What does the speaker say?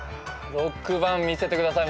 ６番見せてください